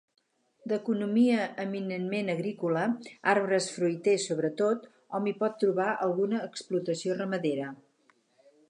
D'economia eminentment agrícola, arbres fruiters sobretot, hom hi pot trobar alguna explotació ramadera.